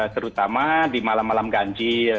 terutama di malam malam ganjil